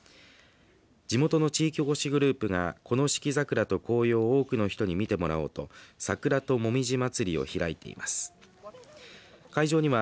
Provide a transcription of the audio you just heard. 地元の地域おこしグループがこの四季桜と紅葉を多くの人に見てもらおうと桜紅葉まつりをおこしています。